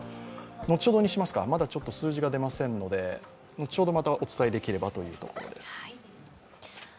後ほどにしますか、まだ数字が出ませんので、後ほどまたお伝えできればというところです。